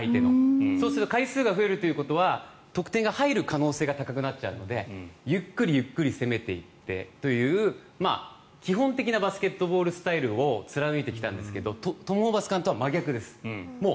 そうすると回数が増えるということは得点が入る可能性が高くなっちゃうのでゆっくりゆっくり攻めていってという基本的なバスケットボールスタイルを貫いてきたんですけどトム・ホーバス監督は真逆です。